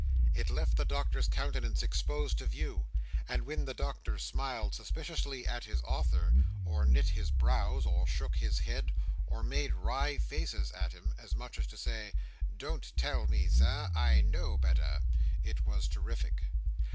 It left the Doctor's countenance exposed to view; and when the Doctor smiled suspiciously at his author, or knit his brows, or shook his head and made wry faces at him, as much as to say, "Don't tell me, Sir; I know better," it was terrific.